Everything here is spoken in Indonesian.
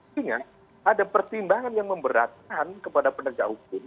sehingga ada pertimbangan yang memberatkan kepada pendegak umum